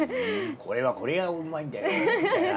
これはこれがうまいんだよみたいな。